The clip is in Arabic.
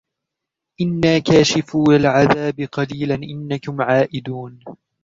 إِنَّا كَاشِفُو الْعَذَابِ قَلِيلًا إِنَّكُمْ عَائِدُونَ